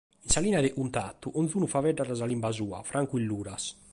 In sa lìnia de cuntatu onniune faeddat sa limba sua, francu in Luras.